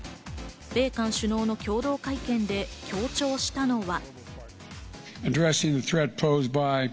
米韓首脳の共同会見で強調したのは。